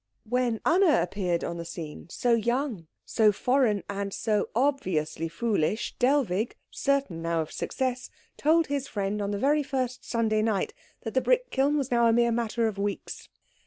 When Anna appeared on the scene, so young, so foreign, and so obviously foolish, Dellwig, certain now of success, told his friend on the very first Sunday night that the brick kiln was now a mere matter of weeks.